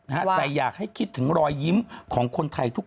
แต่อยากให้คิดถึงรอยยิ้มของคนไทยทุกคน